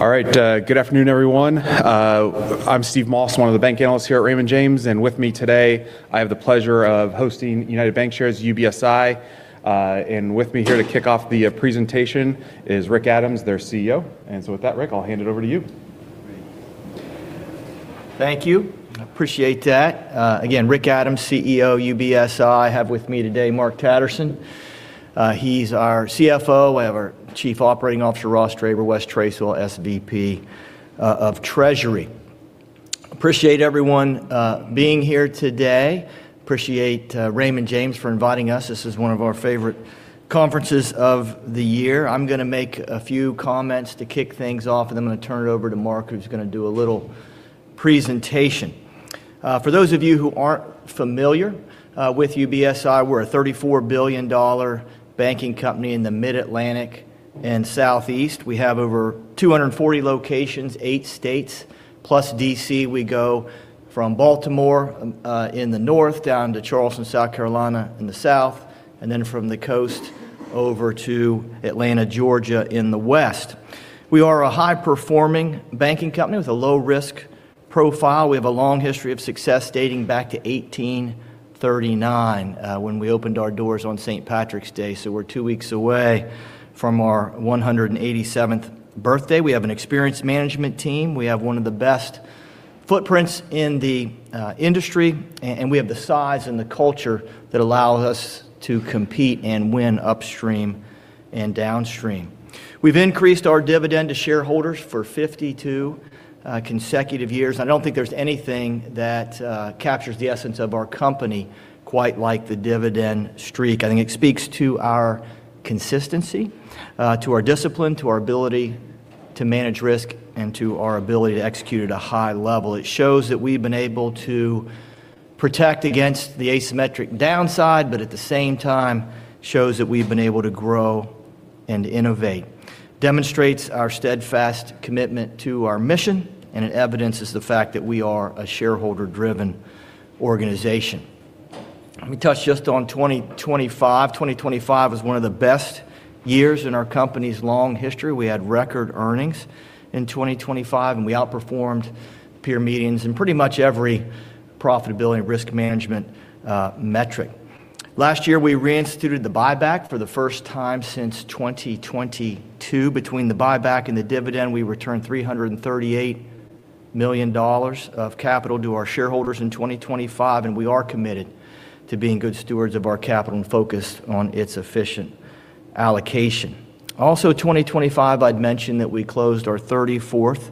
All right. Good afternoon, everyone. I'm Steve Moss, one of the bank analysts here at Raymond James. With me today, I have the pleasure of hosting United Bankshares, UBSI. With me here to kick off the presentation is Rick Adams, their CEO. With that, Rick, I'll hand it over to you. Thank you. I appreciate that. Again, Rick Adams, CEO, UBSI. I have with me today Mark Tatterson. He's our CFO. I have our Chief Operating Officer, Ross Draber, Wes Tracewell, SVP of Treasury. Appreciate everyone being here today. Appreciate Raymond James for inviting us. This is one of our favorite conferences of the year. I'm gonna make a few comments to kick things off, and then I'm gonna turn it over to Mark, who's gonna do a little presentation. For those of you who aren't familiar with UBSI, we're a $34 billion banking company in the Mid-Atlantic and Southeast. We have over 240 locations, eight states, plus D.C. We go from Baltimore in the north down to Charleston, South Carolina in the south, and then from the coast over to Atlanta, Georgia in the west. We are a high-performing banking company with a low-risk profile. We have a long history of success dating back to 1839, when we opened our doors on St. Patrick's Day. We're two weeks away from our 187th birthday. We have an experienced management team. We have one of the best footprints in the industry, and we have the size and the culture that allow us to compete and win upstream and downstream. We've increased our dividend to shareholders for 52 consecutive years. I don't think there's anything that captures the essence of our company quite like the dividend streak. I think it speaks to our consistency, to our discipline, to our ability to manage risk, and to our ability to execute at a high level. It shows that we've been able to protect against the asymmetric downside, but at the same time, shows that we've been able to grow and innovate. Demonstrates our steadfast commitment to our mission. It evidences the fact that we are a shareholder-driven organization. Let me touch just on 2025. 2025 was one of the best years in our company's long history. We had record earnings in 2025. We outperformed peer meetings in pretty much every profitability and risk management metric. Last year, we reinstituted the buyback for the first time since 2022. Between the buyback and the dividend, we returned $338 million of capital to our shareholders in 2025. We are committed to being good stewards of our capital and focused on its efficient allocation. 2025, I'd mentioned that we closed our 34th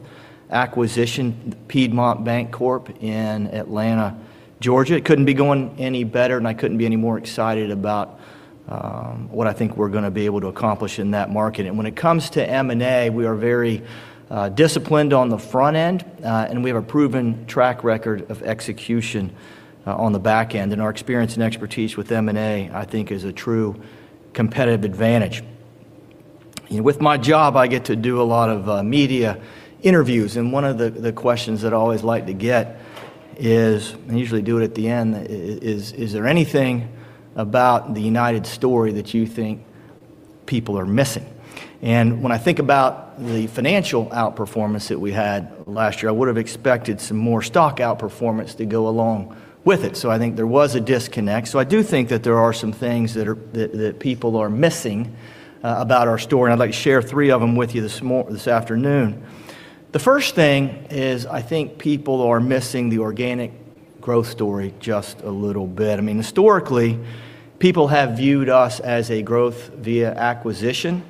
acquisition, Piedmont Bancorp in Atlanta, Georgia. It couldn't be going any better, I couldn't be any more excited about what I think we're gonna be able to accomplish in that market. When it comes to M&A, we are very disciplined on the front end, we have a proven track record of execution on the back end. Our experience and expertise with M&A, I think, is a true competitive advantage. With my job, I get to do a lot of media interviews, one of the questions that I always like to get is, I usually do it at the end, is there anything about the United story that you think people are missing? When I think about the financial outperformance that we had last year, I would have expected some more stock outperformance to go along with it. I think there was a disconnect. I do think that there are some things that people are missing about our story, and I'd like to share three of them with you this afternoon. The first thing is I think people are missing the organic growth story just a little bit. I mean, historically, people have viewed us as a growth via acquisition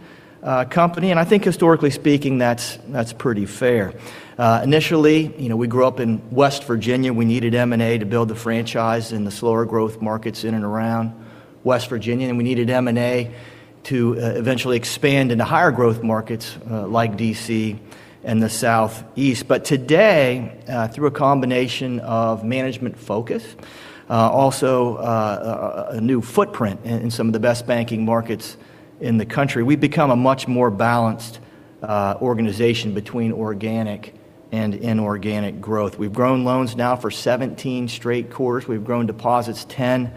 company, and I think historically speaking, that's pretty fair. Initially, you know, we grew up in West Virginia. We needed M&A to build the franchise in the slower growth markets in and around West Virginia, we needed M&A to eventually expand into higher growth markets like D.C. and the Southeast. Today, through a combination of management focus, also a new footprint in some of the best banking markets in the country, we've become a much more balanced organization between organic and inorganic growth. We've grown loans now for 17 straight quarters. We've grown deposits 10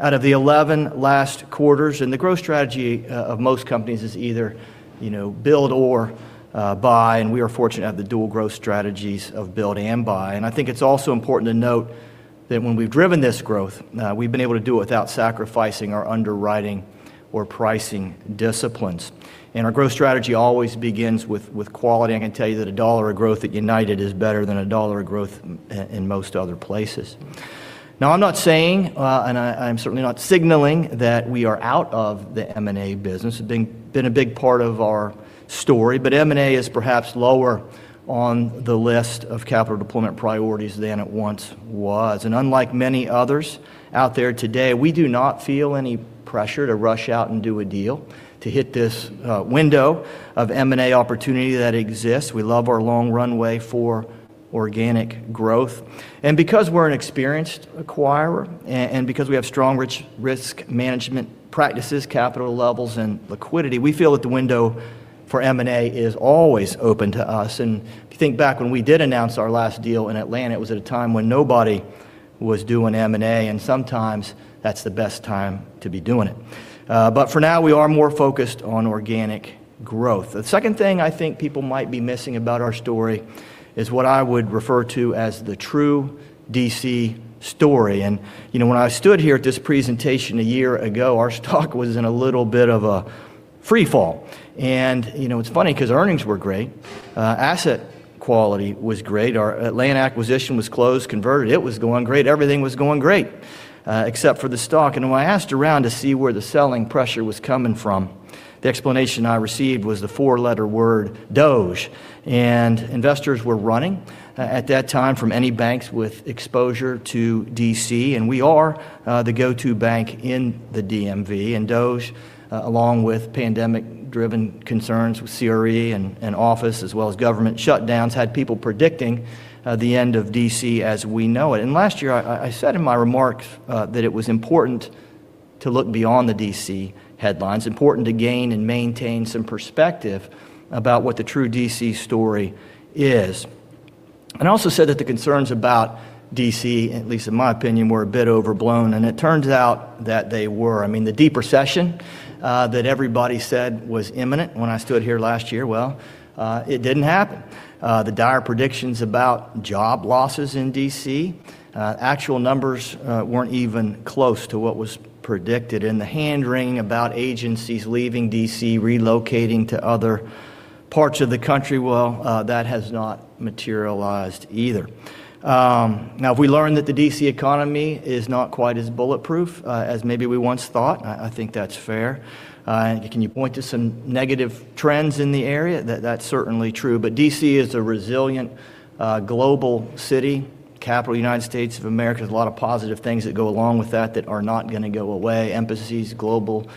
out of the 11 last quarters, the growth strategy of most companies is either, you know, build or buy, we are fortunate to have the dual growth strategies of build and buy. I think it's also important to note that when we've driven this growth, we've been able to do it without sacrificing our underwriting or pricing disciplines. Our growth strategy always begins with quality. I can tell you that a $1 of growth at United is better than a $1 of growth in most other places. Now, I'm not saying, and I'm certainly not signaling that we are out of the M&A business. It's been a big part of our story, but M&A is perhaps lower on the list of capital deployment priorities than it once was. Unlike many others out there today, we do not feel any pressure to rush out and do a deal to hit this window of M&A opportunity that exists. We love our long runway for organic growth. Because we're an experienced acquirer and because we have strong risk management practices, capital levels, and liquidity, we feel that the window for M&A is always open to us. If you think back when we did announce our last deal in Atlanta, it was at a time when nobody was doing M&A. Sometimes that's the best time to be doing it. For now, we are more focused on organic growth. Second thing I think people might be missing about our story is what I would refer to as the true D.C. story. You know, when I stood here at this presentation a year ago, our stock was in a little bit of a free fall. You know, it's funny because earnings were great. Asset quality was great. Our land acquisition was closed, converted. It was going great. Everything was going great, except for the stock. When I asked around to see where the selling pressure was coming from, the explanation I received was the four-letter word DOGE. Investors were running at that time from any banks with exposure to D.C. We are, the go-to bank in the DMV. DOGE, along with pandemic-driven concerns with CRE and office as well as government shutdowns, had people predicting, the end of D.C. as we know it. Last year I said in my remarks, that it was important to look beyond the D.C. headlines, important to gain and maintain some perspective about what the true D.C. story is. I also said that the concerns about D.C., at least in my opinion, were a bit overblown, and it turns out that they were. I mean, the deep recession, that everybody said was imminent when I stood here last year, well, it didn't happen. The dire predictions about job losses in D.C., actual numbers, weren't even close to what was predicted. The hand-wringing about agencies leaving D.C., relocating to other parts of the country, well, that has not materialized either. Now have we learned that the D.C. economy is not quite as bulletproof, as maybe we once thought? I think that's fair. Can you point to some negative trends in the area? That, that's certainly true. D.C. is a resilient, global city, capital of the United States of America. There's a lot of positive things that go along with that that are not gonna go away. Embassies, global,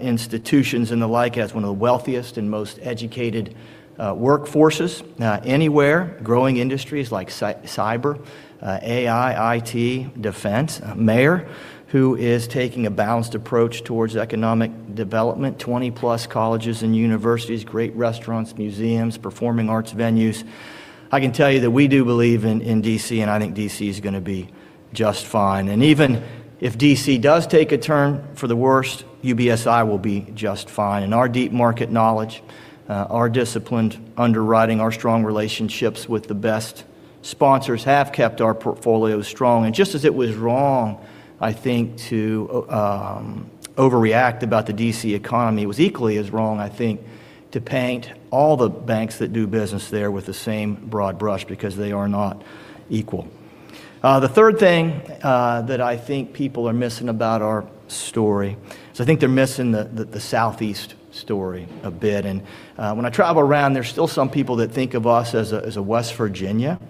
institutions, and the like. Has one of the wealthiest and most educated workforces anywhere. Growing industries like cyber, AI, IT, defense. A mayor who is taking a balanced approach towards economic development. 20-plus colleges and universities, great restaurants, museums, performing arts venues. I can tell you that we do believe in D.C., and I think D.C. is gonna be just fine. Even if D.C. does take a turn for the worst, UBSI will be just fine. Our deep market knowledge, our disciplined underwriting, our strong relationships with the best sponsors have kept our portfolio strong. Just as it was wrong, I think, to overreact about the D.C. economy, it was equally as wrong, I think, to paint all the banks that do business there with the same broad brush because they are not equal. The third thing that I think people are missing about our story is I think they're missing the Southeast story a bit. When I travel around, there's still some people that think of us as a West Virginia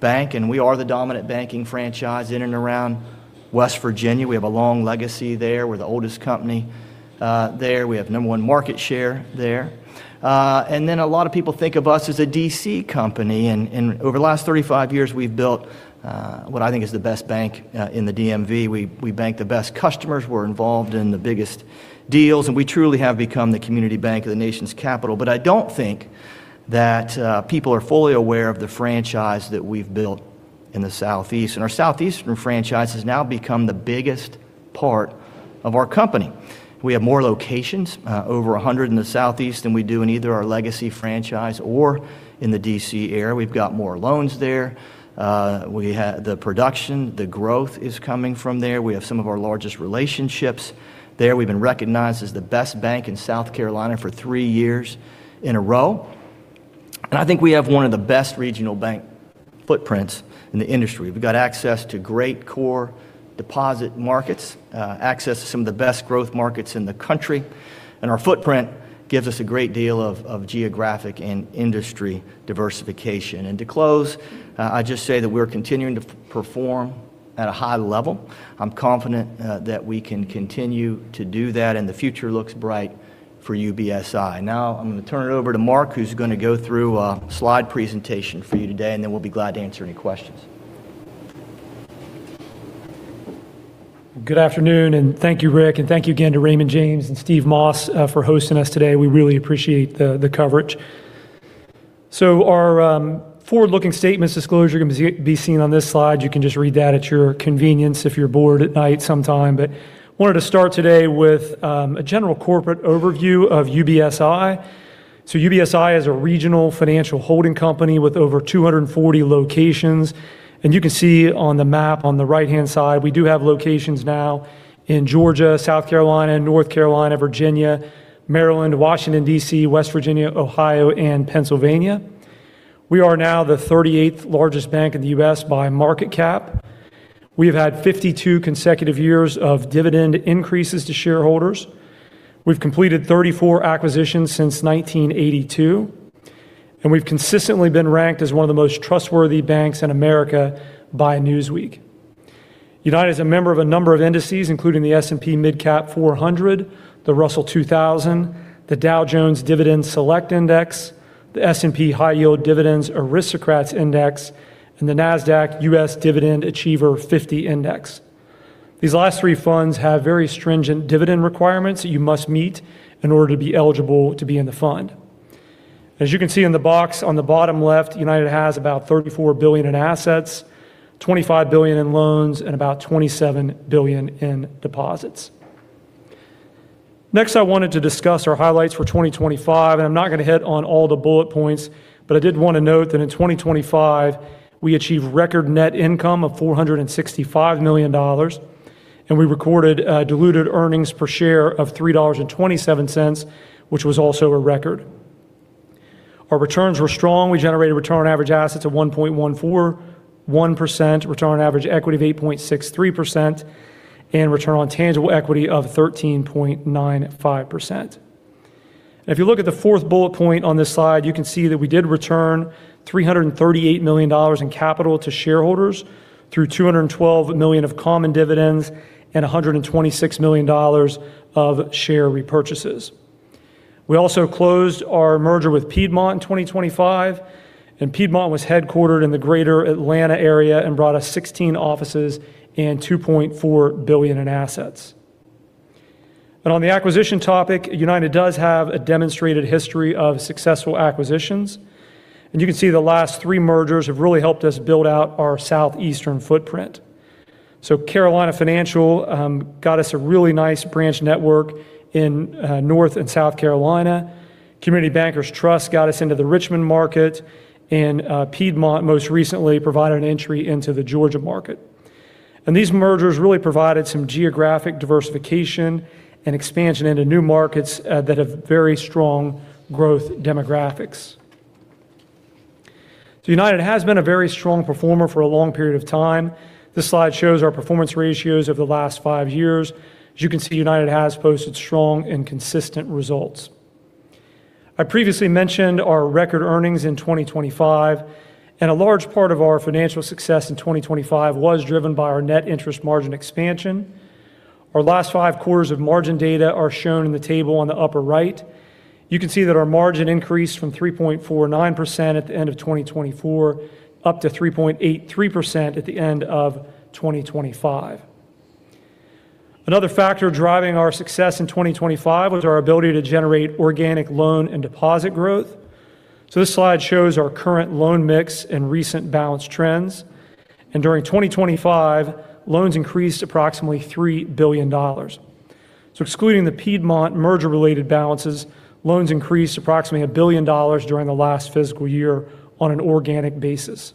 bank, and we are the dominant banking franchise in and around West Virginia. We have a long legacy there. We're the oldest company there. We have number one market share there. Then a lot of people think of us as a D.C. company. Over the last 35 years, we've built what I think is the best bank in the DMV. We bank the best customers. We're involved in the biggest deals, and we truly have become the community bank of the nation's capital. I don't think that people are fully aware of the franchise that we've built in the Southeast. Our Southeastern franchise has now become the biggest part of our company. We have more locations, over 100 in the Southeast than we do in either our legacy franchise or in the D.C. area. We've got more loans there. The production, the growth is coming from there. We have some of our largest relationships there. We've been recognized as the best bank in South Carolina for three years in a row. I think we have one of the best regional bank footprints in the industry. We've got access to great core deposit markets, access to some of the best growth markets in the country, and our footprint gives us a great deal of geographic and industry diversification. To close, I'd just say that we're continuing to perform at a high level. I'm confident that we can continue to do that, and the future looks bright for UBSI. I'm gonna turn it over to Mark, who's gonna go through a slide presentation for you today, and then we'll be glad to answer any questions. Good afternoon, thank you, Rick. Thank you again to Raymond James and Steve Moss for hosting us today. We really appreciate the coverage. Our forward-looking statements disclosure can be seen on this slide. You can just read that at your convenience if you're bored at night sometime. Wanted to start today with a general corporate overview of UBSI. UBSI is a regional financial holding company with over 240 locations, and you can see on the map on the right-hand side, we do have locations now in Georgia, South Carolina, North Carolina, Virginia, Maryland, Washington D.C., West Virginia, Ohio, and Pennsylvania. We are now the 38th largest bank in the U.S. by market cap. We have had 52 consecutive years of dividend increases to shareholders. We've completed 34 acquisitions since 1982, and we've consistently been ranked as one of the most trustworthy banks in America by Newsweek. United is a member of a number of indices, including the S&P MidCap 400, the Russell 2000, the Dow Jones U.S. Select Dividend Index, the S&P High Yield Dividend Aristocrats Index, and the NASDAQ US Dividend Achievers 50 Index. These last three funds have very stringent dividend requirements that you must meet in order to be eligible to be in the fund. As you can see in the box on the bottom left, United has about $34 billion in assets, $25 billion in loans, and about $27 billion in deposits. I'm not gonna hit on all the bullet points, but I did wanna note that in 2025 we achieved record net income of $465 million, we recorded diluted earnings per share of $3.27, which was also a record. Our returns were strong. We generated return on average assets of 1.141%, return on average equity of 8.63%, and return on tangible equity of 13.95%. If you look at the fourth bullet point on this slide, you can see that we did return $338 million in capital to shareholders through $212 million of common dividends and $126 million of share repurchases. We also closed our merger with Piedmont in 2025. Piedmont was headquartered in the Greater Atlanta area and brought us 16 offices and $2.4 billion in assets. On the acquisition topic, United does have a demonstrated history of successful acquisitions. You can see the last three mergers have really helped us build out our Southeastern footprint. Carolina Financial got us a really nice branch network in North and South Carolina. Community Bankers Trust Corporation got us into the Richmond market. Piedmont most recently provided an entry into the Georgia market. These mergers really provided some geographic diversification and expansion into new markets that have very strong growth demographics. United has been a very strong performer for a long period of time. This slide shows our performance ratios over the last five years. As you can see, United has posted strong and consistent results. I previously mentioned our record earnings in 2025, and a large part of our financial success in 2025 was driven by our Net Interest Margin expansion. Our last five quarters of margin data are shown in the table on the upper right. You can see that our margin increased from 3.49% at the end of 2024 up to 3.83% at the end of 2025. Another factor driving our success in 2025 was our ability to generate organic loan and deposit growth. This slide shows our current loan mix and recent balance trends, and during 2025, loans increased approximately $3 billion. Excluding the Piedmont merger-related balances, loans increased approximately $1 billion during the last fiscal year on an organic basis.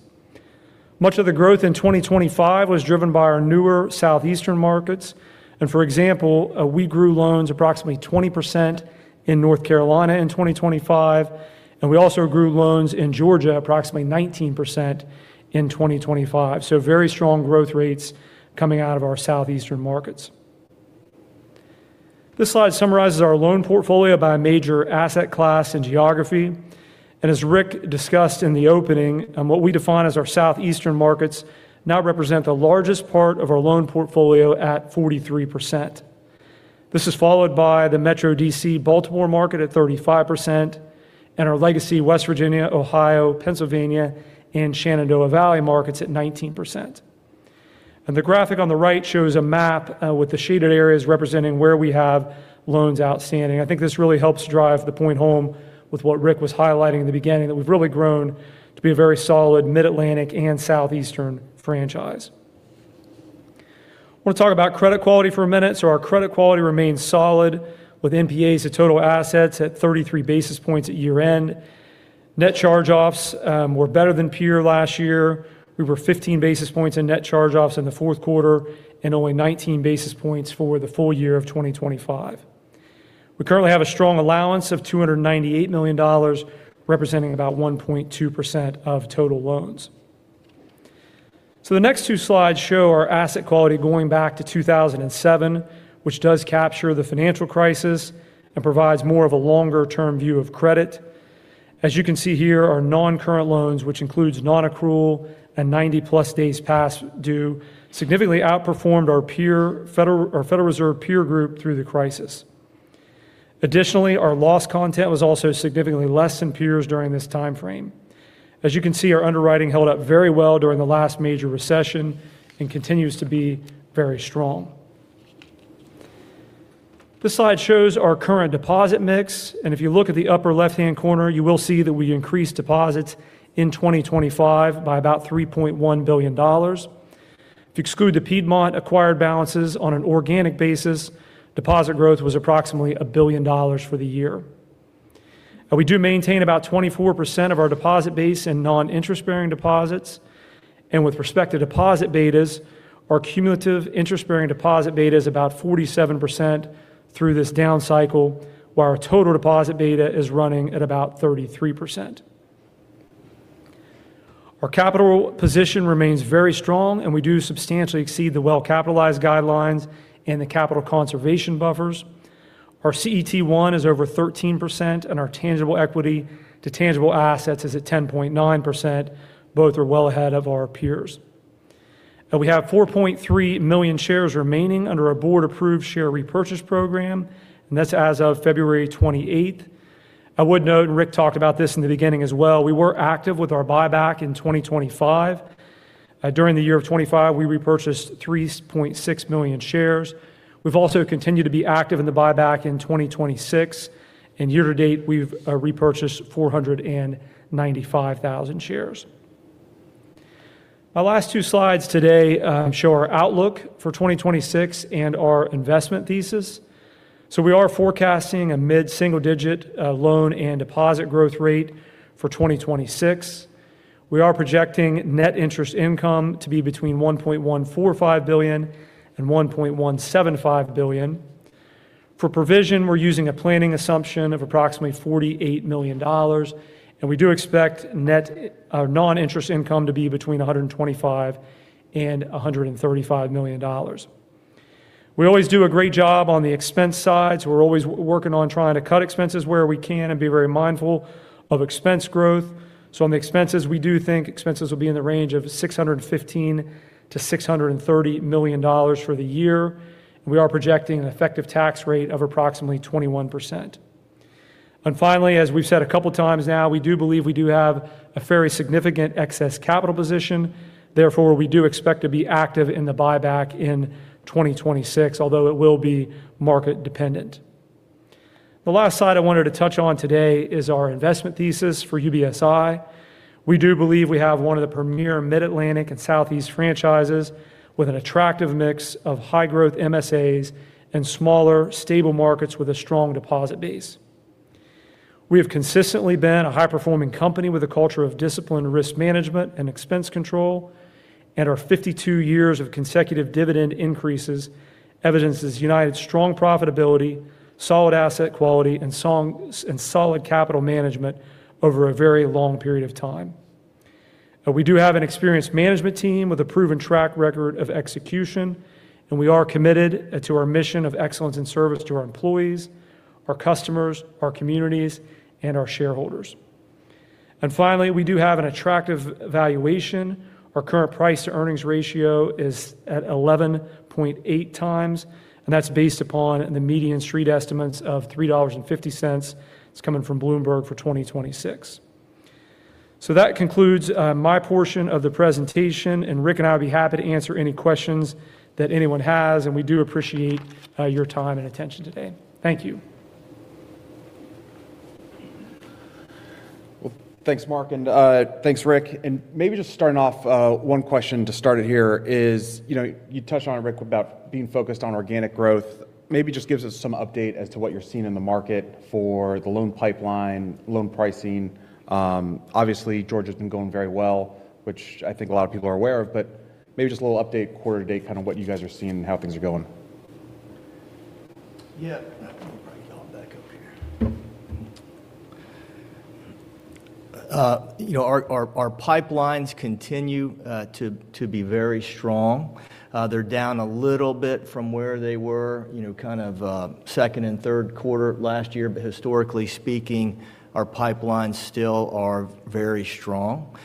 Much of the growth in 2025 was driven by our newer Southeastern markets. For example, we grew loans approximately 20% in North Carolina in 2025. We also grew loans in Georgia approximately 19% in 2025. Very strong growth rates coming out of our Southeastern markets. This slide summarizes our loan portfolio by major asset class and geography. As Rick discussed in the opening, what we define as our Southeastern markets now represent the largest part of our loan portfolio at 43%. This is followed by the Metro D.C. Baltimore market at 35% and our legacy West Virginia, Ohio, Pennsylvania, and Shenandoah Valley markets at 19%. The graphic on the right shows a map with the shaded areas representing where we have loans outstanding. I think this really helps drive the point home with what Rick was highlighting in the beginning, that we've really grown to be a very solid Mid-Atlantic and Southeastern franchise. I wanna talk about credit quality for a minute. Our credit quality remains solid with NPAs to total assets at 33 basis points at year-end. Net charge-offs were better than peer last year. We were 15 basis points in net charge-offs in the fourth quarter and only 19 basis points for the full year of 2025. We currently have a strong allowance of $298 million, representing about 1.2% of total loans. The next two slides show our asset quality going back to 2007, which does capture the financial crisis and provides more of a longer-term view of credit. As you can see here, our non-current loans, which includes non-accrual and 90-plus days past due, significantly outperformed our Federal Reserve peer group through the crisis. Additionally, our loss content was also significantly less than peers during this timeframe. As you can see, our underwriting held up very well during the last major recession and continues to be very strong. This slide shows our current deposit mix. If you look at the upper left-hand corner, you will see that we increased deposits in 2025 by about $3.1 billion. If you exclude the Piedmont-acquired balances on an organic basis, deposit growth was approximately $1 billion for the year. We do maintain about 24% of our deposit base in non-interest-bearing deposits. With respect to Deposit Betas, our cumulative interest-bearing Deposit Beta is about 47% through this down cycle, while our total Deposit Beta is running at about 33%. Our capital position remains very strong, and we do substantially exceed the well-capitalized guidelines and the Capital Conservation Buffers. Our CET1 is over 13%, and our Tangible Equity to Tangible Assets is at 10.9%. Both are well ahead of our peers. We have 4.3 million shares remaining under our board-approved share repurchase program, and that's as of February 28th. I would note, and Rick talked about this in the beginning as well, we were active with our buyback in 2025. During the year of 2025, we repurchased 3.6 million shares. We've also continued to be active in the buyback in 2026. Year to date, we've repurchased 495,000 shares. My last two slides today show our outlook for 2026 and our investment thesis. We are forecasting a mid-single digit loan and deposit growth rate for 2026. We are projecting Net Interest Income to be between $1.145 billion and $1.175 billion. For provision, we're using a planning assumption of approximately $48 million. We do expect Net Non-Interest Income to be between $125 million and $135 million. We always do a great job on the expense side. We're always working on trying to cut expenses where we can and be very mindful of expense growth. On the expenses, we do think expenses will be in the range of $615 million-$630 million for the year. We are projecting an effective tax rate of approximately 21%. Finally, as we've said a couple times now, we do believe we do have a very significant excess capital position. Therefore, we do expect to be active in the buyback in 2026, although it will be market dependent. The last slide I wanted to touch on today is our investment thesis for UBSI. We do believe we have one of the premier Mid-Atlantic and Southeast franchises with an attractive mix of high-growth MSAs and smaller, stable markets with a strong deposit base. We have consistently been a high-performing company with a culture of disciplined risk management and expense control, our 52 years of consecutive dividend increases evidences United's strong profitability, solid asset quality, and solid capital management over a very long period of time. We do have an experienced management team with a proven track record of execution, we are committed to our mission of excellence and service to our employees, our customers, our communities, and our shareholders. Finally, we do have an attractive valuation. Our current Price-to-Earnings Ratio is at 11.8 times, that's based upon the median street estimates of $3.50 that's coming from Bloomberg for 2026. That concludes, my portion of the presentation, and Rick and I would be happy to answer any questions that anyone has, and we do appreciate, your time and attention today. Thank you. Well, thanks, Mark, and, thanks, Rick. Maybe just starting off, one question to start it here is, you know, you touched on it, Rick, about being focused on organic growth. Maybe just give us some update as to what you're seeing in the market for the loan pipeline, loan pricing. Obviously, Georgia's been going very well, which I think a lot of people are aware of, but maybe just a little update, quarter to date, kind of what you guys are seeing and how things are going. Yeah. I'll bring it on back over here. you know, our pipelines continue to be very strong. They're down a little bit from where they were, you know, kind of second and third quarter last year. Historically speaking, our pipelines still are very strong.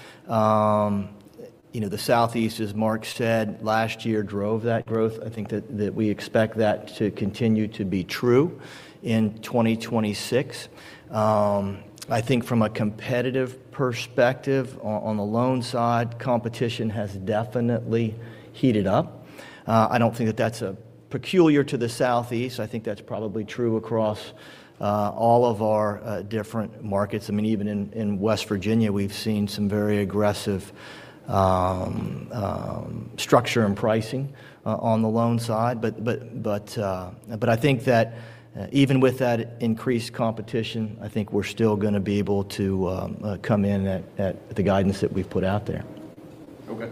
you know, the Southeast, as Mark said, last year drove that growth. I think that we expect that to continue to be true in 2026. I think from a competitive perspective on the loan side, competition has definitely heated up. I don't think that that's peculiar to the Southeast. I think that's probably true across all of our different markets. I mean, even in West Virginia, we've seen some very aggressive structure and pricing on the loan side. I think that even with that increased competition, I think we're still gonna be able to come in at the guidance that we've put out there. Okay.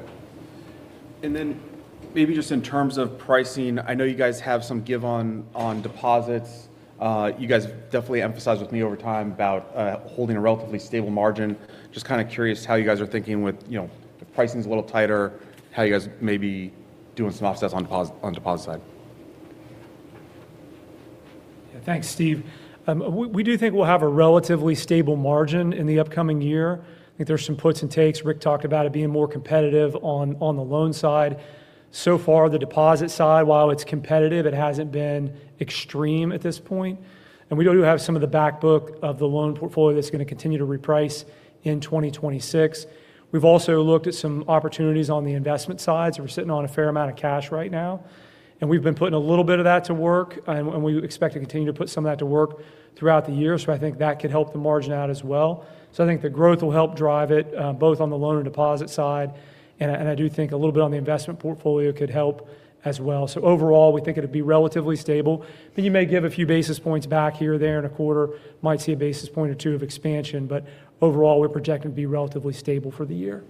Maybe just in terms of pricing, I know you guys have some give on deposits. You guys definitely emphasized with me over time about holding a relatively stable margin. Just kinda curious how you guys are thinking with, you know, the pricing's a little tighter, how you guys may be doing some offsets on the deposit side. Yeah. Thanks, Steve. We, we do think we'll have a relatively stable margin in the upcoming year. I think there's some puts and takes. Rick talked about it being more competitive on the loan side. The deposit side, while it's competitive, it hasn't been extreme at this point. We do have some of the back book of the loan portfolio that's gonna continue to reprice in 2026. We've also looked at some opportunities on the investment side. We're sitting on a fair amount of cash right now, and we've been putting a little bit of that to work, and we expect to continue to put some of that to work throughout the year. I think that could help the margin out as well. I think the growth will help drive it, both on the loan and deposit side, and I do think a little bit on the investment portfolio could help as well. Overall, we think it'll be relatively stable. You may give a few basis points back here or there in a quarter, might see a basis point or two of expansion, overall, we're projecting to be relatively stable for the year.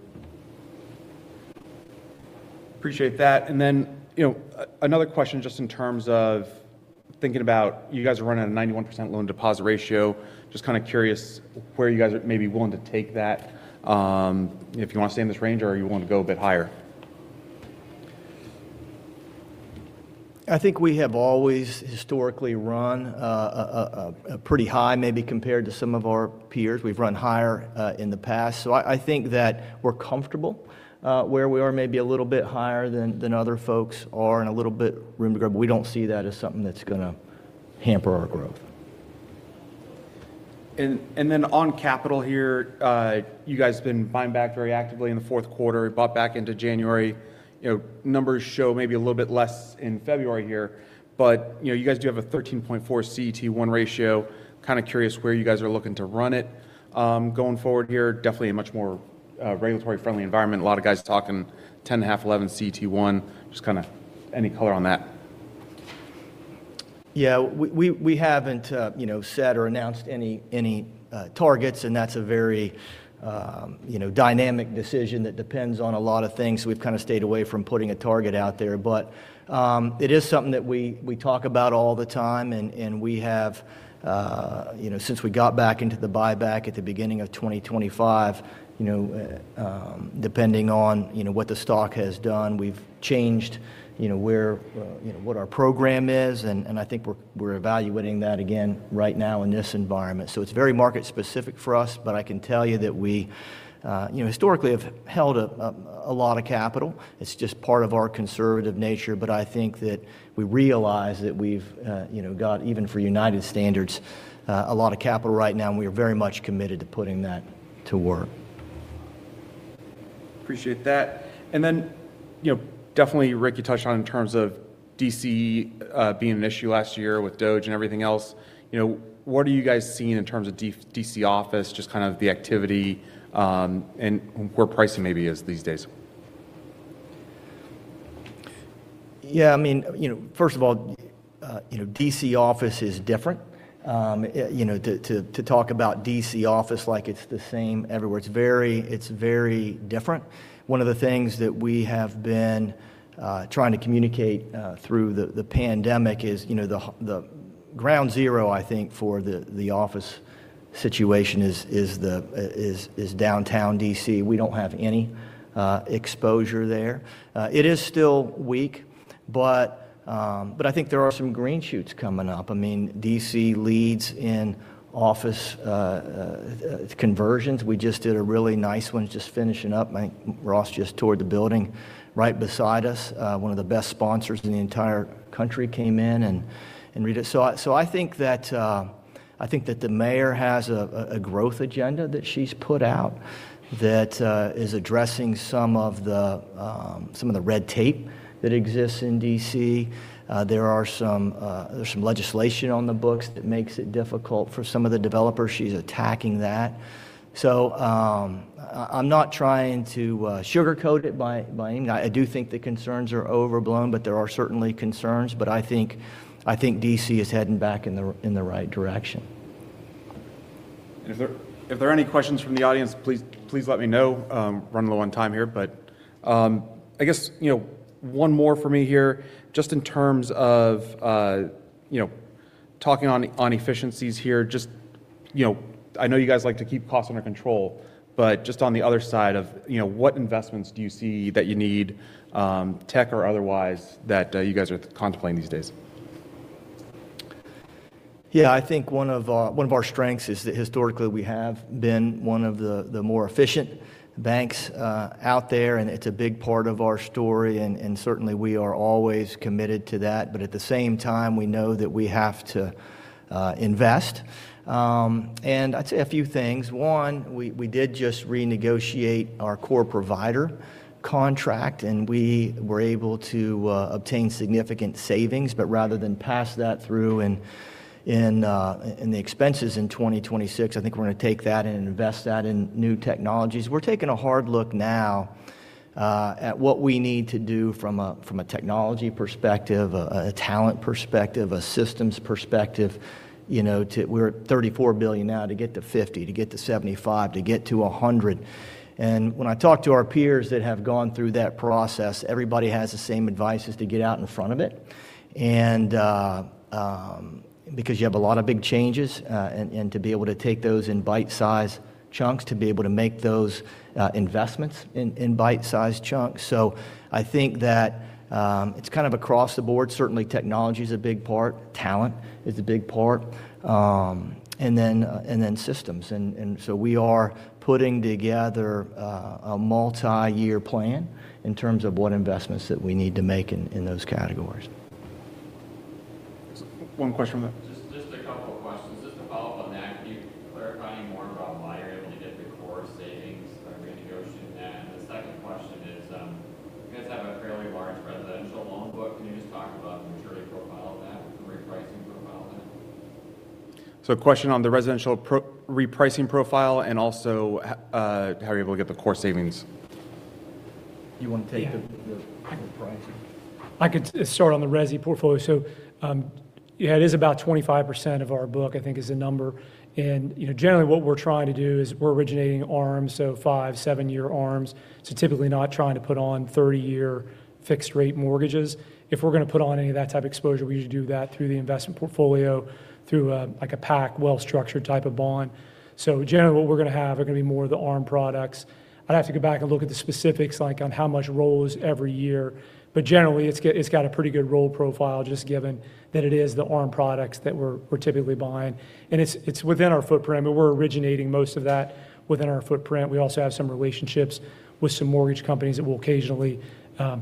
Appreciate that. Then, you know, another question just in terms of thinking about you guys are running at a 91% Loan-to-Deposit Ratio. Just kinda curious where you guys are maybe willing to take that, if you want to stay in this range or you want to go a bit higher. I think we have always historically run, pretty high maybe compared to some of our peers. We've run higher, in the past. I think that we're comfortable, where we are, maybe a little bit higher than other folks are and a little bit room to grow. We don't see that as something that's gonna hamper our growth. Then on capital here, you guys have been buying back very actively in the fourth quarter. You bought back into January. You know, numbers show maybe a little bit less in February here, but, you know, you guys do have a 13.4% CET1 ratio. Kinda curious where you guys are looking to run it, going forward here. Definitely a much more regulatory friendly environment. A lot of guys talking 10.5%, 11% CET1. Just kinda any color on that. Yeah, we haven't, you know, said or announced any targets. That's a very, you know, dynamic decision that depends on a lot of things. We've kind of stayed away from putting a target out there. It is something that we talk about all the time, and we have, you know, since we got back into the buyback at the beginning of 2025, you know, depending on, you know, what the stock has done, we've changed, you know, where, you know, what our program is, and I think we're evaluating that again right now in this environment. It's very market specific for us, but I can tell you that we, you know, historically have held a lot of capital. It's just part of our conservative nature. I think that we realize that we've, you know, got, even for United Bankshares, a lot of capital right now, and we are very much committed to putting that to work. Appreciate that. You know, definitely Rick, you touched on in terms of D.C. being an issue last year with DOGE and everything else. You know, what are you guys seeing in terms of D.C. office, just kind of the activity, and where pricing maybe is these days? I mean, you know, first of all, you know, D.C. office is different. You know, to talk about D.C. office like it's the same everywhere, it's very different. One of the things that we have been trying to communicate through the pandemic is, you know, the ground zero, I think, for the office situation is Downtown D.C. We don't have any exposure there. It is still weak, but I think there are some green shoots coming up. I mean, D.C. leads in office conversions. We just did a really nice one just finishing up. I think Ross just toured the building right beside us. One of the best sponsors in the entire country came in and redid it. I think that the mayor has a growth agenda that she's put out that is addressing some of the red tape that exists in D.C. There are some legislation on the books that makes it difficult for some of the developers. She's attacking that. I'm not trying to sugarcoat it by any means. I do think the concerns are overblown, but there are certainly concerns. I think D.C. is heading back in the right direction. If there are any questions from the audience, please let me know. Running low on time here. I guess, you know, one more for me here, just in terms of, you know, talking on efficiencies here, just, you know, I know you guys like to keep costs under control, but just on the other side of, you know, what investments do you see that you need, tech or otherwise, that, you guys are contemplating these days? Yeah. I think one of our strengths is that historically we have been one of the more efficient banks out there. It's a big part of our story, and certainly we are always committed to that. At the same time, we know that we have to invest. I'd say a few things. One, we did just renegotiate our core provider contract, and we were able to obtain significant savings. Rather than pass that through in the expenses in 2026, I think we're gonna take that and invest that in new technologies. We're taking a hard look now, at what we need to do from a technology perspective, a talent perspective, a systems perspective, you know, we're at $34 billion now, to get to $50, to get to $75, to get to $100. When I talk to our peers that have gone through that process, everybody has the same advice is to get out in front of it because you have a lot of big changes and to be able to take those in bite size chunks, to be able to make those investments in bite size chunks. I think that it's kind of across the board. Certainly, technology is a big part, talent is a big part, and then systems. We are putting together, a multiyear plan in terms of what investments that we need to make in those categories. One question from the-. Just a couple of questions. Just to follow up on that, can you clarify more about why you're able to get the core savings by renegotiating that? The second question is, you guys have a fairly large residential loan book. Can you just talk about the maturity profile of that, the repricing profile of that? A question on the residential repricing profile and also how you're able to get the core savings. You wanna take the. Yeah the repricing? I could start on the resi portfolio. Yeah, it is about 25% of our book, I think is the number. You know, generally what we're trying to do is we're originating ARMs, so five, seven-year ARMs. Typically not trying to put on 30-year fixed rate mortgages. If we're gonna put on any of that type of exposure, we usually do that through the investment portfolio through like a PAC well-structured type of bond. Generally what we're gonna have are gonna be more of the ARM products. I'd have to go back and look at the specifics, like on how much rolls every year. Generally it's got a pretty good roll profile just given that it is the ARM products that we're typically buying. It's within our footprint, but we're originating most of that within our footprint. We also have some relationships with some mortgage companies that will occasionally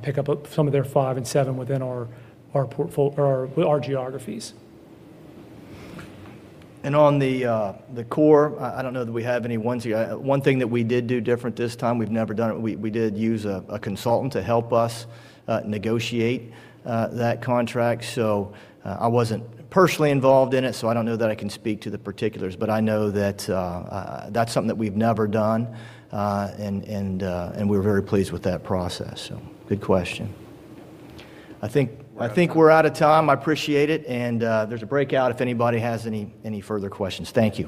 pick up some of their five and seven within our geographies. On the core, I don't know that we have any ones. Yeah, one thing that we did do different this time, we've never done it. We did use a consultant to help us negotiate that contract. I wasn't personally involved in it, so I don't know that I can speak to the particulars. I know that's something that we've never done. And we're very pleased with that process. Good question. I think we're out of time. I appreciate it, and there's a breakout if anybody has any further questions. Thank you.